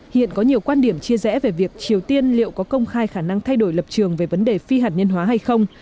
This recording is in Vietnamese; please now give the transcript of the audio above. hiện có nhiều quan điểm chia rẽ về việc triều tiên liệu có công khai khả năng thay đổi lập trường về vấn đề phi hạt nhân hóa hay không